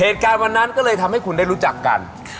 เหตุการณ์วันนั้นก็เลยทำให้คุณได้รู้จักกัน